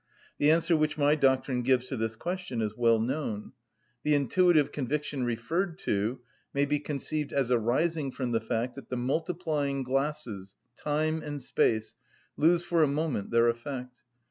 The answer which my doctrine gives to this question is well known. The intuitive conviction referred to may be conceived as arising from the fact that the multiplying‐glasses, time and space, lose for a moment their effect.